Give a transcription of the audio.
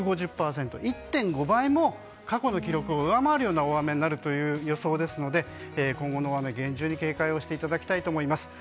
１．５倍も過去の記録を上回るような雨の量になるという予想ですので今後の大雨に厳重に警戒をしていただきたいと思います。